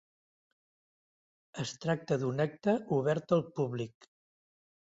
Es tracta d´un acte obert al públic.